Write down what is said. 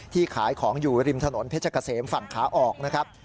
ขายของอยู่ริมถนนเพชรเกษมฝั่งขาออกนะครับ